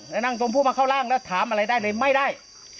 แล้วนางชมพู่มาเข้าร่างแล้วถามอะไรได้เลยไม่ได้